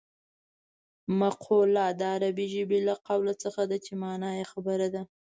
مقوله د عربي ژبې له قول څخه ده چې مانا یې خبره ده